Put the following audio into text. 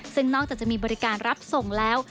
ซึ่งนอกจากจะมีบริการรับส่งแล้ว